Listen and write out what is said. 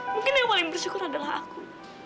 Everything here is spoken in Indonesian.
mungkin yang paling bersyukur adalah aku